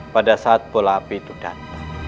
pada saat bola api itu datang